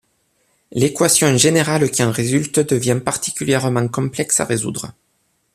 L'équation générale qui en résulte devient particulièrement complexe à résoudre.